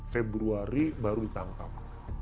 februari baru ditangkap